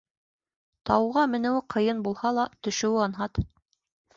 Тауға менеүе ҡыйын булһа ла, төшөүе анһат.